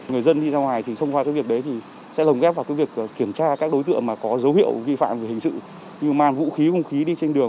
người dân đi ra ngoài thì thông qua việc đấy sẽ lồng ghép vào việc kiểm tra các đối tượng có dấu hiệu vi phạm về hình sự như man vũ khí hung khí đi trên đường